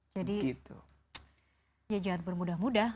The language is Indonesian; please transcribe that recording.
jadi jangan bermudah mudah